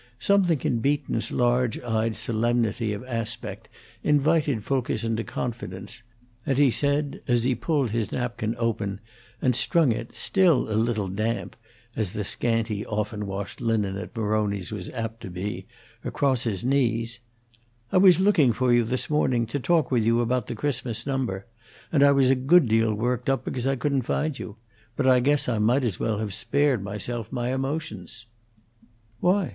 Something in Beaton's large eyed solemnity of aspect invited Fulkerson to confidence, and he said, as he pulled his napkin open and strung it, still a little damp (as the scanty, often washed linen at Maroni's was apt to be), across his knees, "I was looking for you this morning, to talk with you about the Christmas number, and I was a good deal worked up because I couldn't find you; but I guess I might as well have spared myself my emotions." "Why?"